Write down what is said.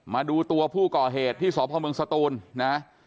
มาดูตัวผู้ก่อเหตุที่สพเมืองสตูนนะ